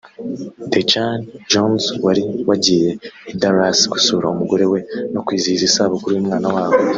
Dejean-Jones wari wagiye i Dallas gusura umugore we no kwizihiza isabukuru y’umwana wabo